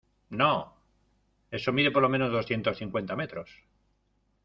no. eso mide por lo menos doscientos cincuenta metros .